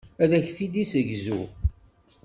Ad ak-t-id-tessegzu.